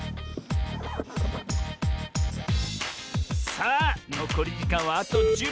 さあのこりじかんはあと１０びょう。